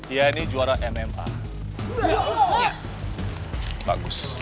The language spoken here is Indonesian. ian ini juara mma